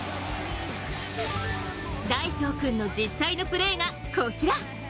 大鐘君の実際のプレーがこちら。